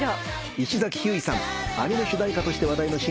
石崎ひゅーいさんアニメ主題歌として話題の新曲『ワスレガタキ』